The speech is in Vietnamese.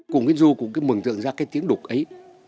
cùng cái dù cũng mừng tượng ra cái tiếng đục ấy